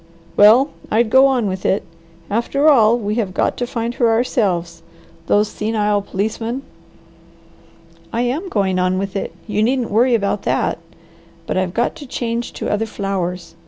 "Well I'd go on with it. After all we have got to find her ourselves. Those senile policemen!" "I am going on with it; you needn't worry about that. But I've got to change to other flowers.